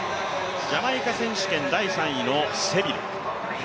ジャマイカ選手権第３位のセビル。